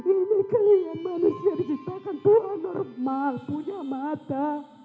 ini kalian manusia dikit bahkan kurang normal punya mata